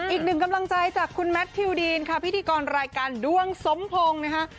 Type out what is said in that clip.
อีกหนึ่งกำลังใจจากคุณแมททิวดีนค่ะพิธีกรรายการด้วงสมพงศ์นะคะ